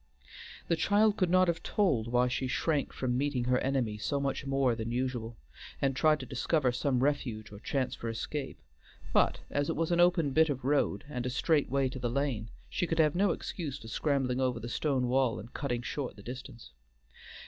The child could not have told why she shrank from meeting her enemy so much more than usual, and tried to discover some refuge or chance for escape; but, as it was an open bit of the road, and a straight way to the lane, she could have no excuse for scrambling over the stone wall and cutting short the distance.